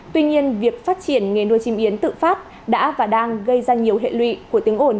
tuy nhiên việc phát triển nghề nuôi chim yến tự phát đã và đang gây ra nhiều hệ lụy của tiếng ồn